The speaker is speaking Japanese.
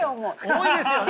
重いですよね。